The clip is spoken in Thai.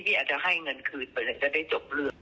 พี่อาจจะให้เงินคืนเดี๋ยวจะได้จบเรื่อง